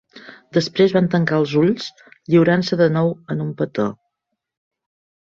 Després va tancar els ulls, lliurant-se de nou en un petó.